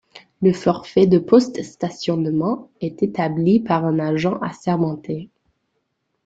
Le forfait de post-stationnement est établi par un agent assermenté.